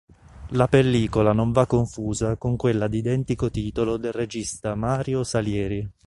La pellicola non va confusa con quella di identico titolo del regista Mario Salieri.